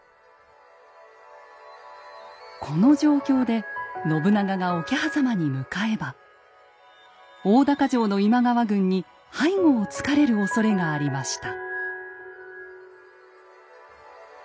この状況で信長が桶狭間に向かえば大高城の今川軍に背後をつかれるおそれがありました。